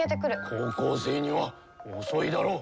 高校生には遅いだろ。